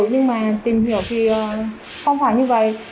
nhưng mà tìm hiểu thì không phải như vậy